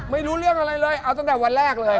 ไม่รู้เรื่องอะไรเลยเอาตั้งแต่วันแรกเลย